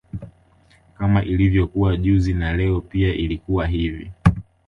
Kama ilivokuwa juzi na Leo pia alikuwa hivi